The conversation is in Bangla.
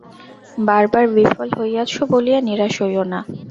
বার বার বিফল হইয়াছ বলিয়া নিরাশ হইও না।